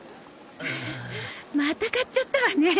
また買っちゃったわね。